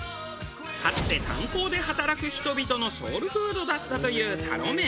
かつて炭鉱で働く人々のソウルフードだったというたろめん。